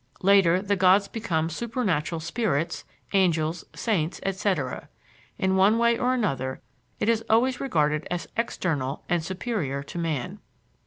Later, the gods become supernatural spirits, angels, saints, etc. In one way or another it is always regarded as external and superior to man.